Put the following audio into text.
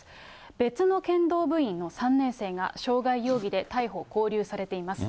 別の剣道部員の３年生が、傷害容疑で逮捕・勾留されています。